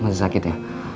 mas sakit ya